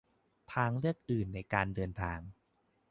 - ทางเลือกอื่นในการเดินทาง